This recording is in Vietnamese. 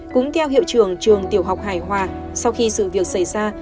cũng theo hiệu trường trường tiểu học hải hòa sau khi sự việc xảy ra